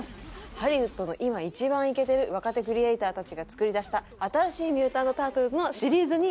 ハリウッドの今一番イケてる若手クリエーターたちが作り出した新しい『ミュータント・タートルズ』のシリーズになります。